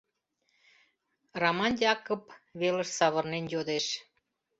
Раман Якып велыш савырнен йодеш: